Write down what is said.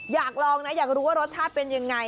อยากลองนะอยากรู้ว่ารสชาติเป็นยังไง